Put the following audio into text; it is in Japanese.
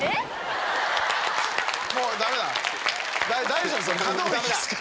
大丈夫ですか？